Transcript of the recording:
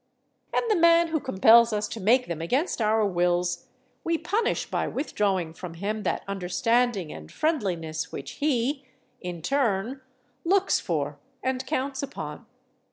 And the man who compels us to make them against our wills we punish by withdrawing from him that understanding and friendliness which he, in turn, looks for and counts upon.